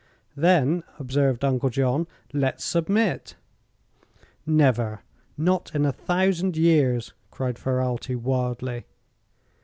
"Then," observed Uncle John, "let's submit." "Never! Not in a thousand years!" cried Ferralti, wildly.